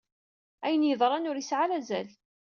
Ayen yeḍran ur yesɛi ara azal.